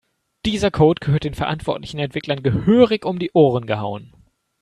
Dieser Code gehört den verantwortlichen Entwicklern gehörig um die Ohren gehauen.